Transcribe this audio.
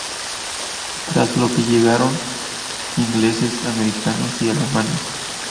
Tras lo que llegaron ingleses, americanos y alemanes.